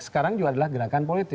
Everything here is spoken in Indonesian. sekarang juga adalah gerakan politik